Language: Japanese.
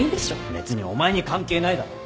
別にお前に関係ないだろ？